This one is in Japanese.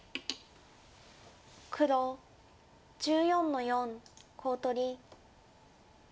黒１４の四コウ取り。